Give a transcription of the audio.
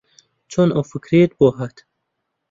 چۆن ئەو فکرەیەت بۆ ھات؟